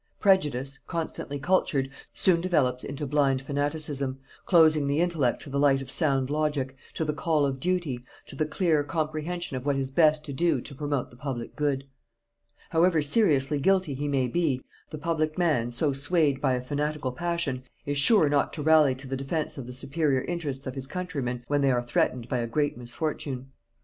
Prejudice, constantly cultured, soon develops into blind fanaticism, closing the intellect to the light of sound logic, to the call of duty, to the clear comprehension of what is best to do to promote the public good. However seriously guilty he may be, the public man, so swayed by a fanatical passion, is sure not to rally to the defense of the superior interests of his countrymen when they are threatened by a great misfortune.